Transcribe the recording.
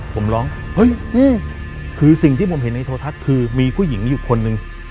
ผมร้องเฮ้ยคือสิ่งที่ผมเห็นในโทรทัศน์คือมีผู้หญิงอยู่คนหนึ่ง